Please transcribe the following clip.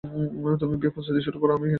তুমি বিয়ের প্রস্তুতি শুরু করো, আমি আসবো।